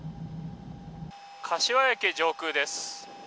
柏駅上空です。